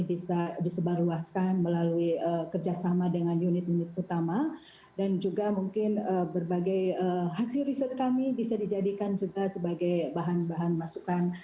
bisa disebarluaskan melalui kerjasama dengan unit unit utama dan juga mungkin berbagai hasil riset kami bisa dijadikan juga sebagai bahan bahan masukan